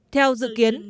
theo dự kiến